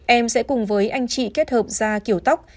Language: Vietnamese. em sẽ cùng với anh chị kết hợp ra kiểu tóc